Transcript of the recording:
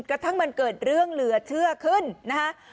กระทั่งมันเกิดเรื่องเหลือเชื่อขึ้นนะฮะ